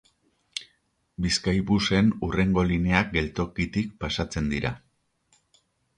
Bizkaibusen hurrengo lineak geltokitik pasatzen dira.